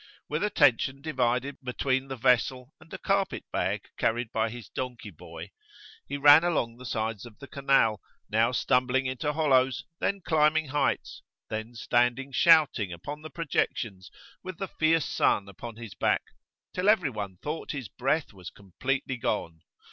With attention divided between the vessel and a carpet bag carried by his donkey boy, he ran along the sides of the canal, now stumbling into hollows, then climbing heights, then standing shouting upon the projections with the fierce sun upon his back, till everyone thought his breath was completely gone.